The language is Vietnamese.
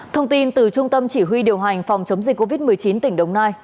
thông tin từ trung tâm chỉ huy điều hành phòng chống dịch covid một mươi chín tỉnh đồng nai